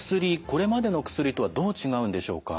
これまでの薬とはどう違うんでしょうか？